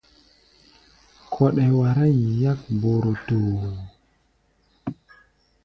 Kɔɗɛ wará yi yák borotoo.